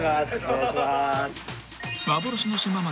・お願いします。